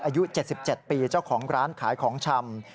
อายุ๗๗ปีเจ้าของร้านขายของชำ